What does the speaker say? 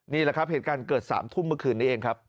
นี่แหละครับเหตุการณ์เกิด๓ทุ่มเมื่อคืนนี้เองครับ